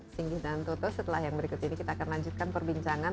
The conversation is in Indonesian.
singgih dan toto setelah yang berikut ini kita akan lanjutkan perbincangan